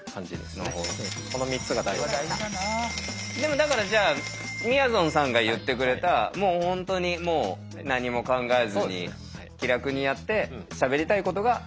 でもだからじゃあみやぞんさんが言ってくれた本当にもう何も考えずに気楽にやってしゃべりたいことがワッと出てきた。